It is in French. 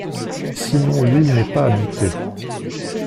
Sinon l'île n'est pas habitée.